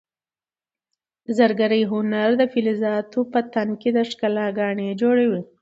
د زرګرۍ هنر د فلزاتو په تن کې د ښکلا ګاڼې جوړوي.